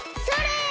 それ！